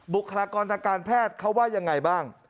บุคลากรทางการแพทย์เขาว่ายังไงบ้าง